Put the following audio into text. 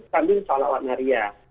sambil salawat nariah